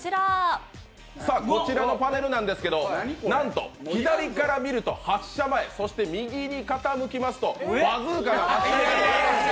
こちらはパネルなんですけど、なんと左から見ると発射前、そして右に傾きますとバズーカになります。